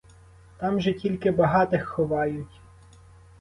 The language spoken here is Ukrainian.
Там же тільки багатих ховають!